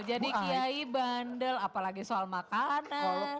jadi kiai bandel apalagi soal makanan